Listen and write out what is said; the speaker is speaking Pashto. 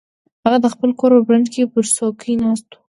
هغه د خپل کور په برنډه کې پر څوکۍ ناست و.